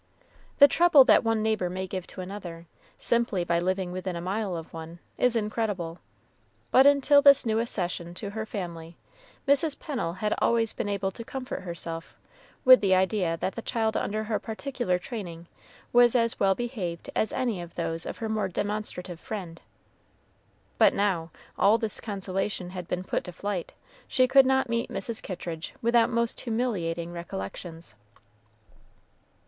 The trouble that one neighbor may give to another, simply by living within a mile of one, is incredible; but until this new accession to her family, Mrs. Pennel had always been able to comfort herself with the idea that the child under her particular training was as well behaved as any of those of her more demonstrative friend. But now, all this consolation had been put to flight; she could not meet Mrs. Kittridge without most humiliating recollections.